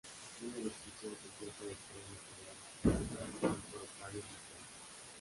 Una descripción completa de todo el material está en preparación por Octávio Mateus.